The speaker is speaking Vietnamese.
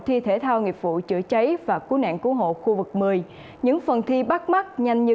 thi thể thao nghiệp vụ chữa cháy và cứu nạn cứu hộ khu vực một mươi những phần thi bắt mắt nhanh như